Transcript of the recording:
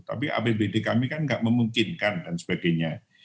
tapi apbd kami kan nggak memungkinkan dan sebagainya